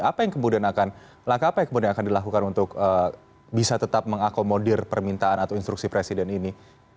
apa yang kemudian akan langkah apa yang kemudian akan dilakukan untuk bisa tetap mengakomodir permintaan atau instruksi presiden ini